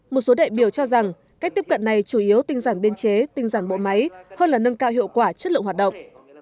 một số đại biểu cho rằng cách tiếp cận này chủ yếu tinh giản biên chế tinh giản bộ máy hơn là nâng cao hiệu quả chất lượng hoạt động